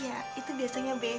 iya itu biasanya be